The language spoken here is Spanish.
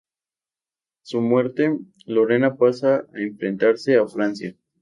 A su muerte, Lorena pasa a integrarse a Francia.